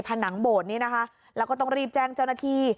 ผนังโบสถนี้นะคะแล้วก็ต้องรีบแจ้งเจ้าหน้าที่